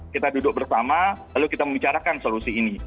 kita duduk bersama lalu kita membicarakan solusi ini